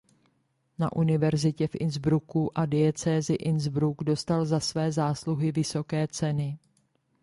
Na univerzitě v Innsbrucku a diecézi Innsbruck dostal za své zásluhy vysoké ceny.